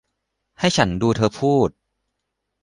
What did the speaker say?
ให้ฉันดูเธอพูด